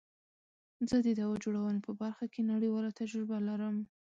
زه د دوا جوړونی په برخه کی نړیواله تجربه لرم.